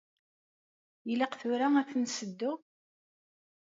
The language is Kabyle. Ilaq tura ad ten-nseddu?